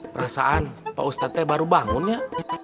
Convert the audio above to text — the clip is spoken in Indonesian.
perasaan pak ustadz teh baru bangun ya